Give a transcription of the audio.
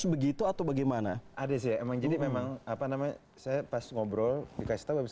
begitu atau bagaimana ada sih emang jadi memang apa namanya saya pas ngobrol dikasih tahu abis